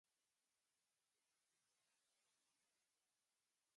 短吻颈鳗为辐鳍鱼纲鳗鲡目糯鳗亚目长颈鳗科的其中一个种。